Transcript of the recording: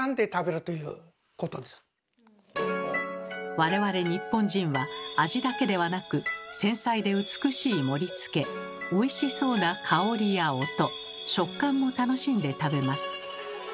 我々日本人は味だけではなく繊細で美しい盛りつけおいしそうな香りや音食感も楽しんで食べます。